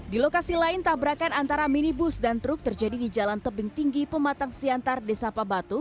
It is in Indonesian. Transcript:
di lokasi lain tabrakan antara minibus dan truk terjadi di jalan tebing tinggi pematang siantar desa pabatu